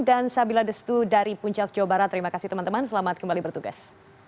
dan sabila destu dari puncak jawa barat terima kasih teman teman selamat kembali bertugas